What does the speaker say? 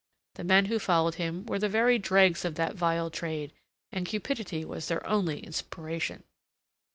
The men who followed him were the very dregs of that vile trade, and cupidity was their only inspiration.